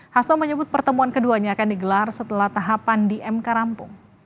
hasto menyebut pertemuan keduanya akan digelar setelah tahapan di mk rampung